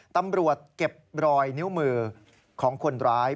ตำรวจเก็บรอยนิ้วมือของคนร้าย